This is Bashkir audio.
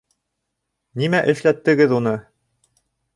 Нимә эшләттегеҙ уны?